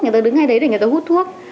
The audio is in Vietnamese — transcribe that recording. người ta đứng ngay đấy để người ta hút thuốc